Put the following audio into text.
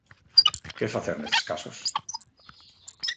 Que facer nestes casos?